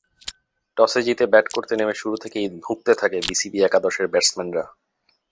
টসে জিতে ব্যাট করতে নেমে শুরু থেকেই ধুঁকতে থাকে বিসিবি একাদশের ব্যাটসম্যানরা।